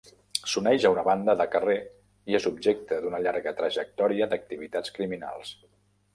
S'uneix a una banda de carrer i és objecte d'una llarga trajectòria d'activitats criminals.